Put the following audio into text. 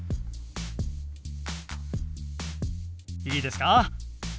いいですか？